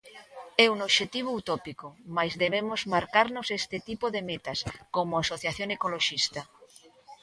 É un obxectivo utópico, mais debemos marcarnos este tipo de metas como asociación ecoloxista.